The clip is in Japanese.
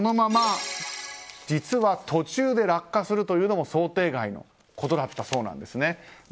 実は途中で落下するというのも想定外のことだったそうです。